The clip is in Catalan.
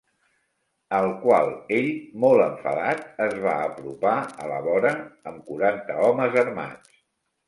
Al qual ell, molt enfadat, es va apropar a la vora amb quaranta homes armats.